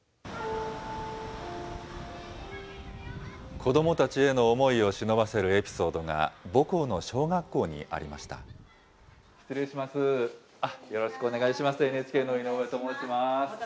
子どもたちへの思いをしのばせるエピソードが、母校の小学校にありました。